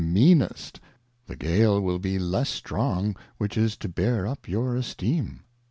meanest, the Gale will be less strong which is to bear up your Esteem.